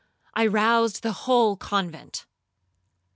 I roused the whole convent.